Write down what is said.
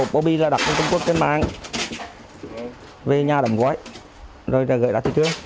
bộ bi là đặt trong công quốc trên mạng về nhà đẩm gói rồi gửi ra thị trường